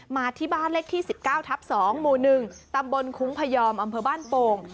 มาที่บ้านเลขที่๑๙ทับ๒หมู่๑ตำบลคุ้งพยอมอำเภอบ้านโป่ง